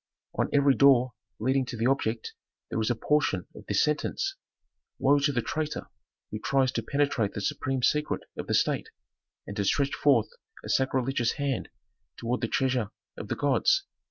"On every door leading to the object there is a portion of this sentence: 'Woe to the traitor who tries to penetrate the supreme secret of the state and to stretch forth a sacrilegious hand toward the treasure of the gods.